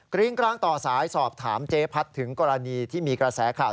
ริ้งกร้างต่อสายสอบถามเจ๊พัดถึงกรณีที่มีกระแสข่าว